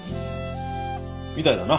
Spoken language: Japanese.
みたいだな。